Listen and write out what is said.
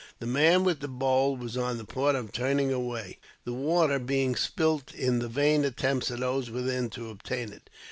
The man with the bowl was on the point of turning away, the water being spilt in the vain attempts of those within to obtain it.